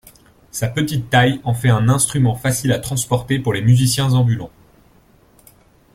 Sa petite taille en fait un instrument facile à transporter pour les musiciens ambulants.